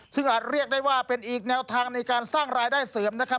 ซึ่งอาจเรียกได้ว่าเป็นอีกแนวทางในการสร้างรายได้เสริมนะครับ